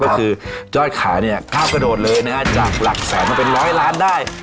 ก็คือจ้อยขาเนี่ยก้าวกระโดดเลยนะฮะจากหลักแสนมาเป็นร้อยล้านได้